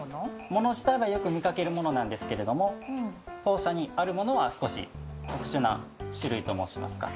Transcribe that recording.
もの自体はよく見かけるものなんですけれども当社にあるものは少し特殊な種類と申しますか。